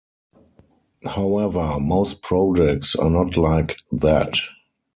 However, most projects are not like that.